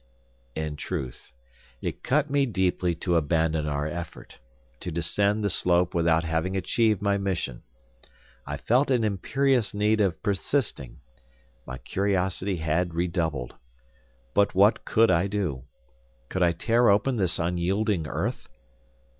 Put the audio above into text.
In truth, it cut me deeply to abandon our effort, to descend the slope without having achieved my mission. I felt an imperious need of persisting; my curiosity had redoubled. But what could I do? Could I tear open this unyielding earth?